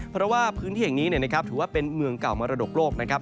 เพราะว่าพื้นที่แห่งนี้ถือว่าเป็นเมืองเก่ามรดกโลกนะครับ